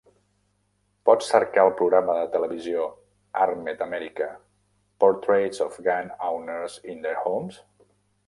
Pots cercar el programa de televisió "Armed America: Portraits of Gun Owners in Their Homes"?